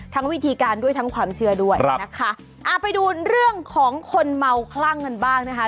วิธีการด้วยทั้งความเชื่อด้วยนะคะอ่าไปดูเรื่องของคนเมาคลั่งกันบ้างนะคะ